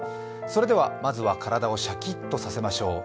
それではまずは体をシャッキとさせましょう。